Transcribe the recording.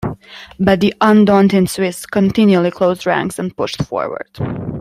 But the undaunted Swiss continually closed ranks and pushed forward.